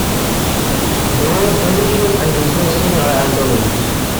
The words delicious and disgusting are antonyms.